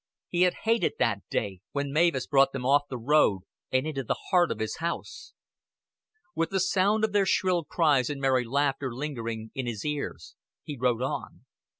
He had hated that day when Mavis brought them off the road and into the heart of his home. With the sound of their shrill cries and merry laughter lingering in his ears he rode on.